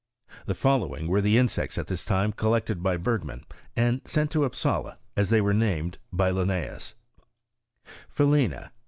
The following were the insects aft this time collected by Bergman, and sent to Upsala, as they were named by liimaeas : PhaUena.